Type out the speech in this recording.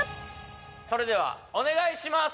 それではお願いします